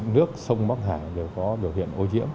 nước sông bắc hải đều có biểu hiện ô nhiễm